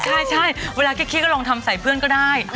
เออใช่เวลาแค่คิดก็ลองทำใส่เพื่อนก็ได้